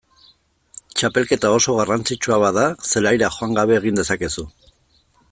Txapelketa oso garrantzitsua bada zelaira joan gabe egin dezakezu.